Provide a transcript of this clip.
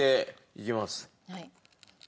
いきます。